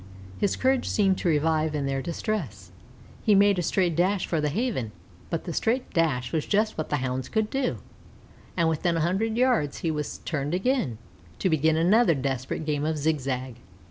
His courage seemed to revive in their distress. He made a straight dash for the Haven; but the straight dash was just what the Hounds could do, and within a hundred yards he was turned again, to begin another desperate game of zigzag.